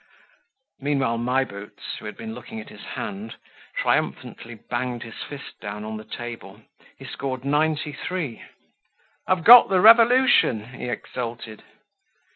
Meanwhile, My Boots, who had been looking at his hand, triumphantly banged his fist down on the table. He scored ninety three. "I've got the Revolution!" he exulted.